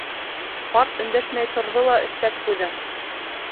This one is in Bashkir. Ҡарт өндәшмәй торҙо ла өҫтәп ҡуйҙы: